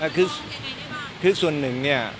แล้วก็เหมือนมีการโตเทียงกันแบบนี้ค่ะคือส่วนหนึ่งเนี่ย